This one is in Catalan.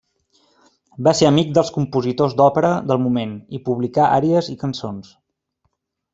Va ser amic dels compositors d'òpera del moment, i publicà àries i cançons.